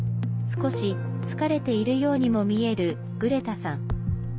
少し、疲れているようにも見えるグレタさん。